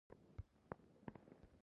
پاچا د ښځو او نجونـو حقونه نه ورکوي .